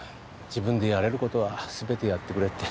自分でやれる事は全てやってくれって。